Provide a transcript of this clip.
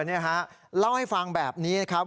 นี่ฮะเล่าให้ฟังแบบนี้นะครับ